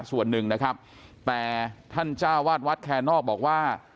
ส่วนหนึ่งนะครับแต่ท่านจ้าวาดวัดแคนนอกบอกว่า